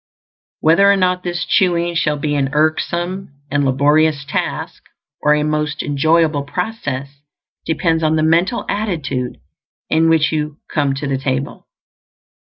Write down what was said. Whether or not this chewing shall be an irksome and laborious task or a most enjoyable process, depends upon the mental attitude in which you come to the table.